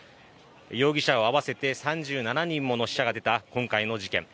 容疑者を合わせて３７人もの死者が出た今回の事件。